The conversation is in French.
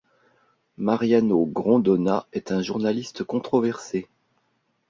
Mariano Grondona est un journaliste controversé.